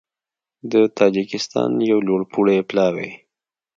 د تاجېکستان یو لوړپوړی پلاوی